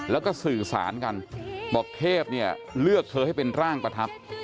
แล้วก็สื่อสารกันบอกเทพเนี่ยเลือกเธอให้เป็นร่างประทับ